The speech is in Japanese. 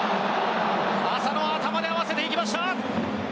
浅野、頭で合わせていきました。